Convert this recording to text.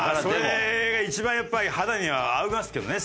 それが一番やっぱり肌には合いますけどね。